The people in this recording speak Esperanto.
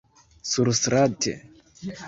surstrate